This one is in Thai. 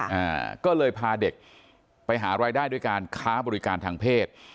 อ่าก็เลยพาเด็กไปหารายได้ด้วยการค้าบริการทางเพศ